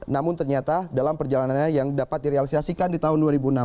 namun ternyata dalam perjalanannya yang dapat direalisasikan di tahun dua ribu enam belas